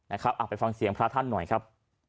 เอาไปฟังเสียงพระท่านหน่อยครับ